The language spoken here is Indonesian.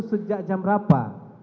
sejak jam berapa